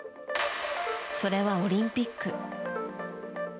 それはオリンピック。